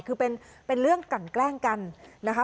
คือเป็นเรื่องกันแกล้งกันนะคะ